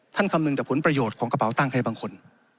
คำนึงแต่ผลประโยชน์ของกระเป๋าตั้งให้บางคน